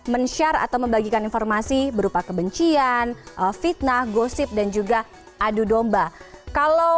dan yang pasti tidak diperbolehkan atau tidak diperkenankan